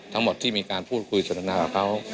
ทั้งหมดที่มีการพูดคุยสนทนากับเขา